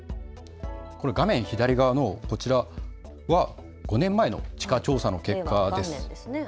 画面左側のこちらは５年前の地価調査の結果です。